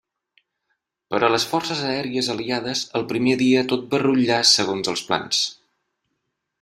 Per a les Forces Aèries Aliades, el primer dia tot va rutllar segons els plans.